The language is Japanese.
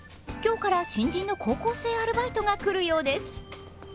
今日から新人の高校生アルバイトが来るようです。